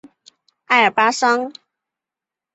爱尔巴桑。